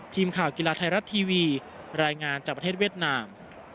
ทีมข่าวกีฬาไทยรัฐทีวีรายงานจากประเทศเวียดนาม